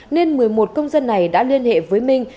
nên một mươi một công dân này đã liên hệ với minh